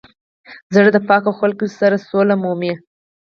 زړه د پاکو خلکو سره سوله مومي.